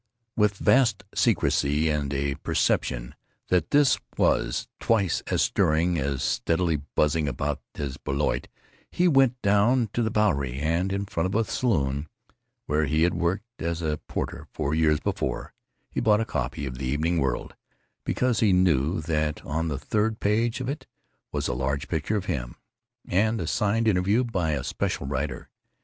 With vast secrecy and a perception that this was twice as stirring as steadily buzzing about in his Blériot, he went down to the Bowery and, in front of the saloon where he had worked as a porter four years before, he bought a copy of the Evening World because he knew that on the third page of it was a large picture of him and a signed interview by a special writer.